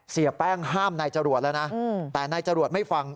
เสียแป้งห้ามนายจรวดแล้วนะแต่นายจรวดไม่ฟัง